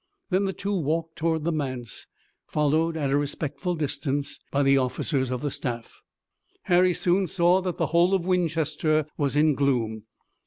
Then the two walked toward the manse, followed at a respectful distance by the officers of the staff. Harry soon saw that the whole of Winchester was in gloom.